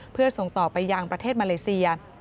เพื่อส่งต่อไปยังประเทศมาเลเซีย